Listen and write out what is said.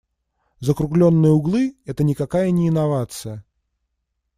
Закруглённые углы - это никакая не инновация.